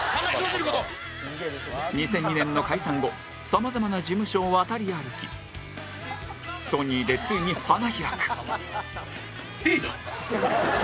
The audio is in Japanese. ２００２年の解散後さまざまな事務所を渡り歩きソニーでついに花開くリーダー！